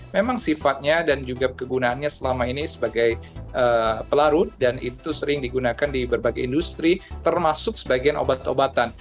memang sifatnya dan juga kegunaannya selama ini sebagai pelarut dan itu sering digunakan di berbagai industri termasuk sebagian obat obatan